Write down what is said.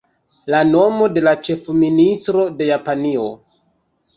La nomo de la ĉefministro de Japanio.